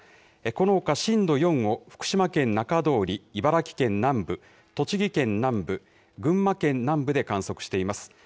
このほか、震度４を福島県中通り、茨城県南部、栃木県南部、群馬県南部で観測しています。